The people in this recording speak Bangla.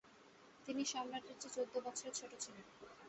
তিনি সম্রাটের চেয়ে চৌদ্দ বছরের ছোট ছিলেন।